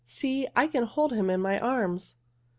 See, I can hold him in my arms."